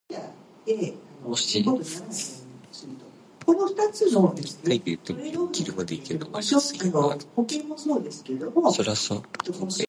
Rock crawling competitions range from local events to national series.